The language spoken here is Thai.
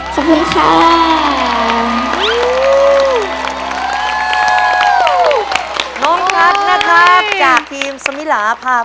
ขอบคุณค่ะ